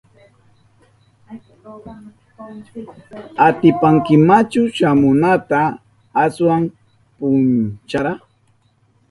¿Atipankimachu shamunata ashwan punchara?